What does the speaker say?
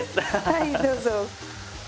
はいどうぞ。